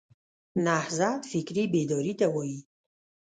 نهضت فکري بیداري ته وایي.